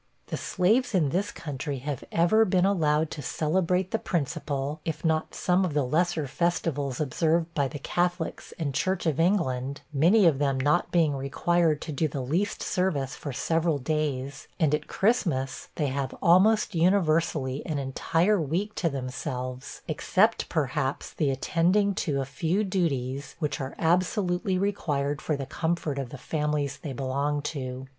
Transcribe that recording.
The slaves in this country have ever been allowed to celebrate the principal, if not some of the lesser festivals observed by the Catholics and Church of England; many of them not being required to do the least service for several days, and at Christmas they have almost universally an entire week to themselves, except, perhaps, the attending to a few duties, which are absolutely required for the comfort of the families they belong to.